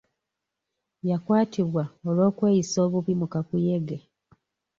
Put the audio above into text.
Yakwatibwa olw'okweyisa obubi mu kakuyege.